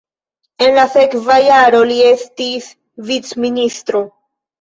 En la sekva jaro li estis vicministro.